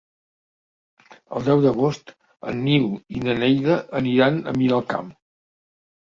El deu d'agost en Nil i na Neida aniran a Miralcamp.